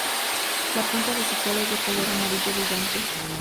La punta de su cola es de color amarillo brillante.